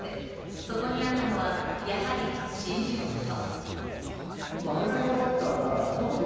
そこにあったのは、やはり、信じること。